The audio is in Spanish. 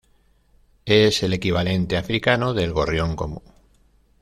Es el equivalente africano del gorrión común.